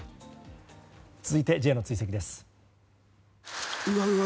続いてＪの追跡です。